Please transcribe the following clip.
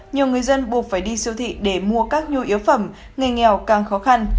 nhiều người dân buộc phải đi siêu thị để mua các nhu yếu phẩm nghề nghèo càng khó khăn